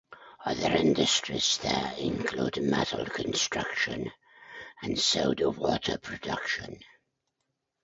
Other industries there include metal construction and soda water production.